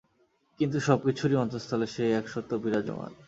কিন্তু সব কিছুরই অন্তস্তলে সেই এক সত্য বিরাজমান।